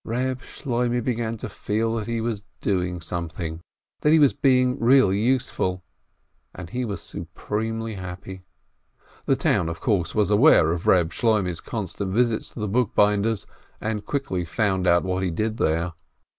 Eeb Shloimeh began to feel that he was doing some thing, that he was being really useful, and he was supremely happy. The town, of course, was aware of Keb Shloimeh's constant visits to the bookbinder's, and quickly found out what he did {here.